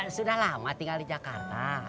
sudah lama tinggal di jakarta